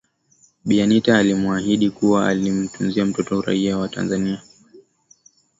Bi Anita alimuahidi kuwa atamtunzia mtoto uraia wa Tanzania